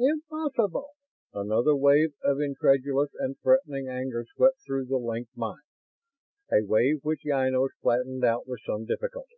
"Impossible!" Another wave of incredulous and threatening anger swept through the linked minds; a wave which Ynos flattened out with some difficulty.